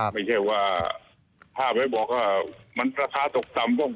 ไม่ใช่ว่าถ้าไปบอกว่ามันราคาตกต่ำ